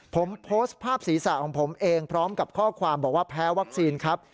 ผมโพสต์ภาพศีรษะของผมเองพร้อมกับข้อความบอกว่าแพ้วัคซีนครับ